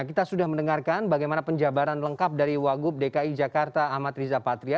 kita sudah mendengarkan bagaimana penjabaran lengkap dari wagub dki jakarta amat riza patria